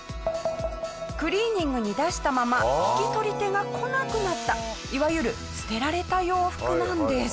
クリーニングに出したまま引き取り手が来なくなったいわゆる捨てられた洋服なんです。